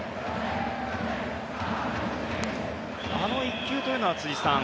あの１球というのは辻さん